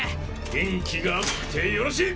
元気があってよろしい！